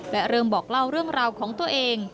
และเริ่มบอกเล่าเรื่องราวของตัวเอง